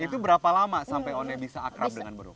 itu berapa lama sampai one bisa akrab dengan beruk